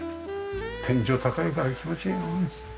天井高いから気持ちいいなあ。